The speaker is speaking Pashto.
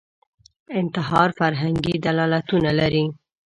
انتحار فرهنګي دلالتونه لري